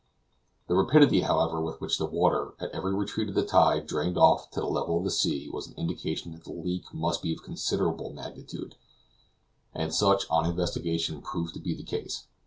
The rapidity, however, with which the water, at every retreat of the tide, drained off to the level of the sea, was an indication that the leak must be of considerable magnitude; and such, on investigation, proved to be the case.